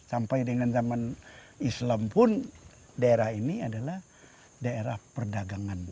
sampai dengan zaman islam pun daerah ini adalah daerah perdagangan